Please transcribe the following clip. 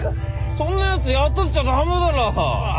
そんなやつ雇っちゃダメだろ。